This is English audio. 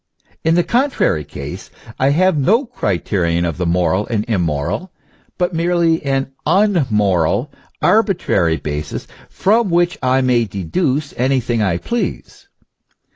In the contrary case, I have no criterion of the moral and immoral, but merely an immoral, arbitrary basis, from which I may deduce anything I please.